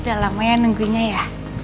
udah lama ya nunggunya ya